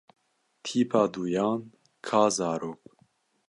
Tîpa duyan ka zarok.